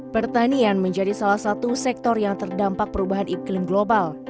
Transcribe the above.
pertanian menjadi salah satu sektor yang terdampak perubahan iklim global